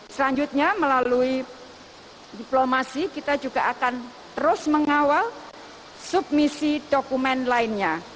selanjutnya melalui diplomasi kita juga akan terus mengawal submisi dokumen lainnya